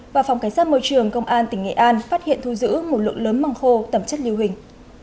và phòng cảnh sát môi trường công an tỉnh nghệ an phát hiện thu giữ một lượng lớn măng khô tẩm chất lưu hình